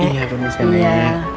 iya permisi ya nek